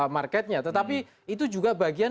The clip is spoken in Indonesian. marketnya tetapi itu juga bagian